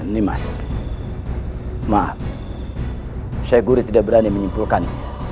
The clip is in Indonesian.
nimas maaf syekh guri tidak berani menyimpulkan